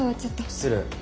失礼。